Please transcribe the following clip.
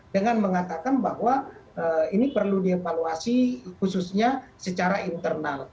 dengan mengatakan bahwa ini perlu dievaluasi khususnya secara internal